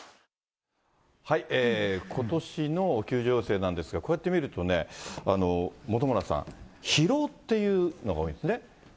ことしの救助要請なんですが、こうやって見るとね、本村さん、疲労っていうのが多いんですね。